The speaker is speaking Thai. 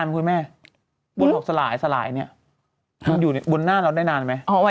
บัวนี้บนหน้าเราได้นานไหม